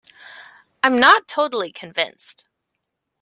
I'm not totally convinced!